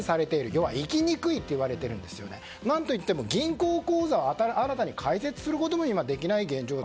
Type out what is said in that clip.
要は生きにくいといわれていて何といっても銀行口座を新たに開設することも今できない現状。